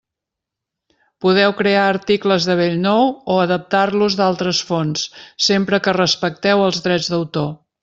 Podeu crear articles de bell nou, o adaptar-los d'altres fonts, sempre que respecteu els drets d'autor.